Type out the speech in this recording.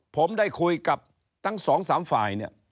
ผมได้คุยกับทั้งสองสามฝ่ายเนี่ย